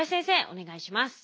お願いします。